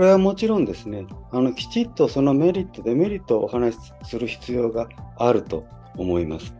きちっとメリット・デメリットをお話しする必要があると思います。